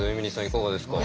いかがですか？